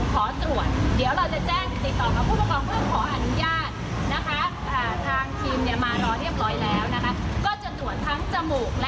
คือเป็นเด็กที่มีความเสี่ยงต่ำ